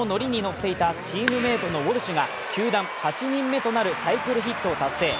ッていたチームメイトのウォルシュが球団８人目となるサイクルヒットを達成。